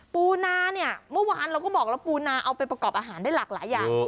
ปูนาเนี่ยเมื่อวานเราก็บอกแล้วปูนาเอาไปประกอบอาหารได้หลากหลายอย่าง